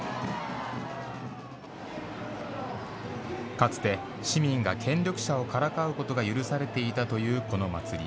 かつて、市民が権力者をからかうことが許されていたというこの祭り。